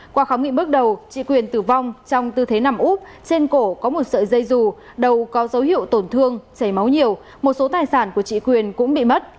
qua khám nghiệm bước đầu chị quyền tử vong trong tư thế nằm úp trên cổ có một sợi dây dù đầu có dấu hiệu tổn thương chảy máu nhiều một số tài sản của chị quyền cũng bị mất